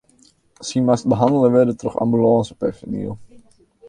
Sy moast behannele wurde troch ambulânsepersoniel.